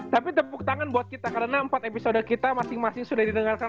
tapi tepuk tangan buat kita karena empat episode kita masing masing sudah didengarkan